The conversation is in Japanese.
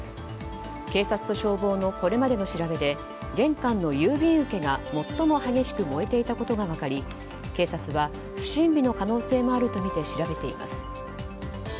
警察と消防のこれまでの調べで玄関の郵便受けが最も激しく燃えていたことが分かり警察は不審火の可能性もあるとみて調べています。